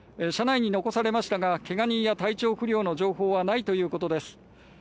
車内に残されましたが怪我人や体調不良の情報はないということです。